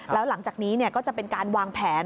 แล้วหลังจากนี้ก็จะเป็นการวางแผน